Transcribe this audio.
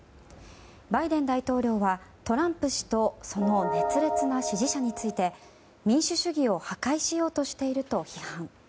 バイデン大統領はトランプ氏とその熱烈な支持者について民主主義を破壊しようとしていると批判。